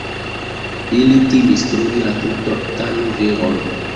Ili timis trovi la tutan veron.